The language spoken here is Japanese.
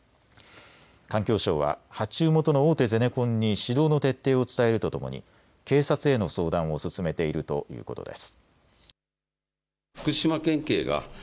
環境省は発注元の大手ゼネコンに指導の徹底を伝えるとともに警察への相談を進めているということです。